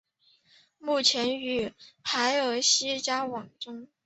目前与海尔希交往中。